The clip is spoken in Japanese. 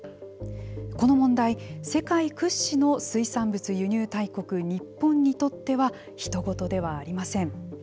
この問題、世界屈指の水産物輸入大国・日本にとってはひと事ではありません。